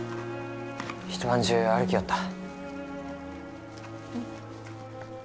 一晩中歩きよった。